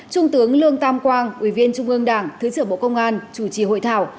trung tướng lương tam quang ủy viên trung ương đảng thứ trưởng bộ công an chủ trì hội thảo